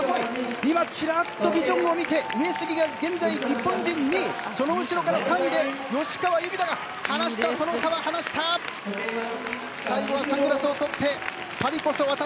今、ちらっとビジョンを見て上杉が今現在、日本人２位その後ろから３位で吉川侑美らが離したその差は。最後はサングラスをとってパリこそ、私。